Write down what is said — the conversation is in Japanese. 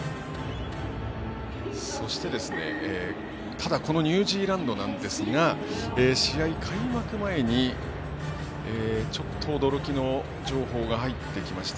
ただ、このニュージーランドですが試合開幕前に、ちょっと驚きの情報が入ってきました。